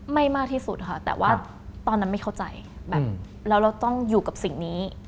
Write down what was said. มากที่สุดค่ะแต่ว่าตอนนั้นไม่เข้าใจแบบแล้วเราต้องอยู่กับสิ่งนี้